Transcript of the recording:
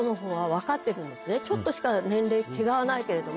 ちょっとしか年齢違わないけれども。